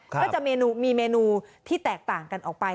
ก็จะมีเมนูที่แตกต่างกันออกไป